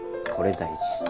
これ大事。